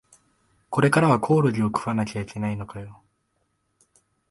これからはコオロギ食わなきゃいけないのかよ